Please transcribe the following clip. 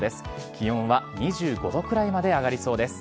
気温は２５度くらいまで上がりそうです。